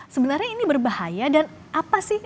sebenarnya ini berbahaya dan apa sih